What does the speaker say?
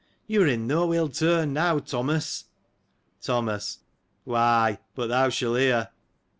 You were in no ill turn, now, Thomas. Thomas. — Why, but thou shall hear.